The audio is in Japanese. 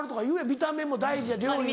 見た目も大事やん料理は。